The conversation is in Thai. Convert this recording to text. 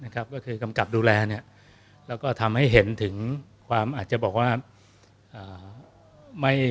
ก็คือกำกับดูแลแล้วก็ทำให้เห็นถึงความอาจจะบอกว่า